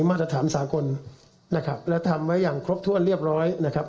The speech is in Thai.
มาตรฐานสากลนะครับและทำไว้อย่างครบถ้วนเรียบร้อยนะครับ